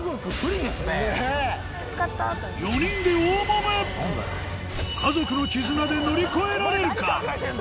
４人で大揉め家族の絆で乗り越えられるか？